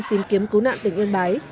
tìm kiếm cứu nạn tỉnh yên bái